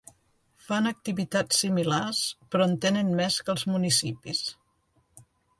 Fan activitats similars però en tenen més que els municipis.